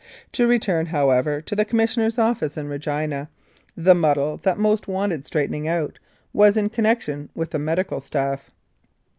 To return, however, to the Commissioner's office in Regina, the muddle that most wanted straightening out was in connection with the medical staff.